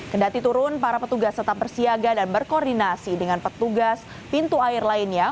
kendati turun para petugas tetap bersiaga dan berkoordinasi dengan petugas pintu air lainnya